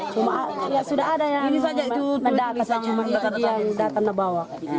cuma sudah ada yang mendata cuma itu yang datang membawa